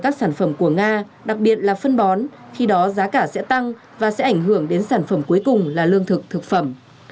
các sản phẩm của nga đặc biệt là phân bón khi đó giá cả sẽ tăng và sẽ ảnh hưởng đến sản phẩm cuối cùng là lương thực thực phẩm